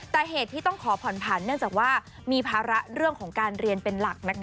แต่เหตุที่ต้องขอผ่อนผันเนื่องจากว่ามีภาระเรื่องของการเรียนเป็นหลัก